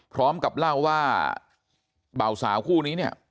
พร้อมกับเล่าว่าเบาสาวคู่นี้เนี่ย